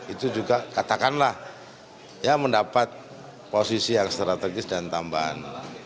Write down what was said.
itu juga katakanlah ya mendapat posisi yang strategis dan tambahan